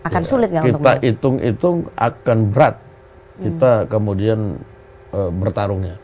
kita hitung hitung akan berat kita kemudian bertarungnya